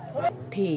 văn hóa còn